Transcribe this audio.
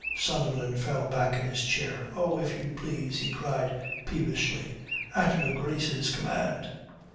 Sunderland fell back in his chair. "Oh, if you please," he cried peevishly. "At your Grace's command."